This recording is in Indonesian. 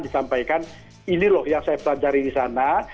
disampaikan ini loh yang saya pelajari disana